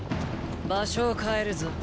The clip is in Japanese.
場所を変えるぞ。